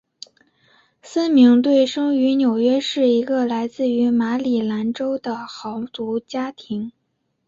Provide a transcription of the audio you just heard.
森明顿生于纽约市一个来自于马里兰州的豪族家庭。